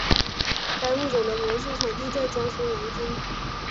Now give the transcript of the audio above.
该物种的模式产地在江苏南京。